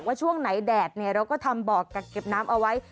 ว่าช่วงไหนแดดเนี่ยเราก็ทำบ่อกักเก็บน้ำเอาไว้